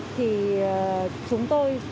thì chúng tôi